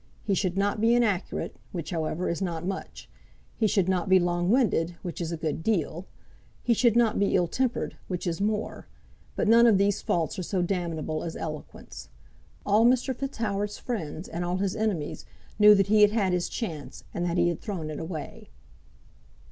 He should not be inaccurate, which, however, is not much; he should not be long winded, which is a good deal; he should not be ill tempered, which is more; but none of these faults are so damnable as eloquence. All Mr. Fitzhoward's friends and all his enemies knew that he had had his chance, and that he had thrown it away.